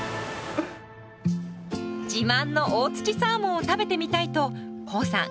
自慢の大サーモンを食べてみたいとコウさん